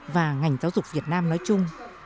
và ngành giáo dục việt nam nói chung